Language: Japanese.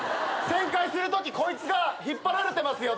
旋回するときこいつが引っ張られてますよ。